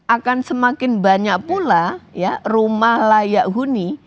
akan semakin banyak pula rumah layak huni